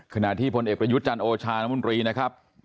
ขณะที่พลเอกประยุทธ์จันทร์โอชาน้ำมนตรีนะครับ